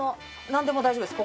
何でも大丈夫です。